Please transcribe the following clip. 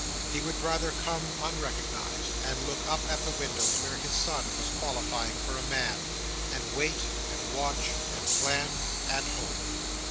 He would rather come unrecognised, and look up at the windows where his son was qualifying for a man; and wait, and watch, and plan, and hope.